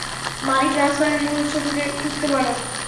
মানি ট্রান্সফারের মূল উৎস খুঁজতে বলো।